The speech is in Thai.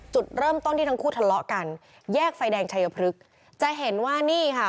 จุดเริ่มต้นที่ทั้งคู่ทะเลาะกันแยกไฟแดงชายพลึกจะเห็นว่านี่ค่ะ